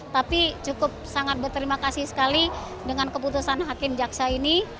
tapi cukup sangat berterima kasih sekali dengan keputusan hakim jaksa ini